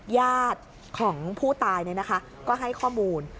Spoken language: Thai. ญาติของผู้ตายเนี่ยนะคะก็ให้ข้อมูล